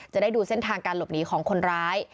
จะได้ดูเส้นทางการหลบหนีของคนร้าย